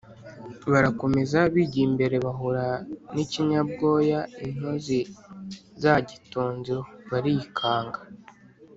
Barakomeza, bigiye imbere bahura n'ikinyabwoya intozi zagitonzeho barikanga